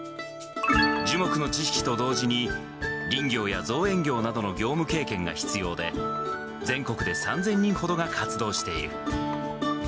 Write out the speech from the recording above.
樹木の知識と同時に、林業や造園業などの業務経験が必要で、全国で３０００人ほどが活動している。